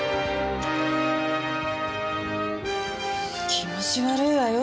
気持ち悪いわよ